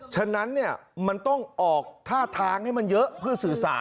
ฉะนั้นมันต้องออกท่าทางให้มันเยอะเพื่อสื่อสาร